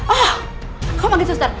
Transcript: oh kamu panggil suster